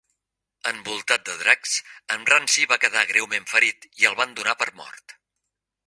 Envoltat de dracs, en Ramsey va quedar greument ferit i el van donar per mort.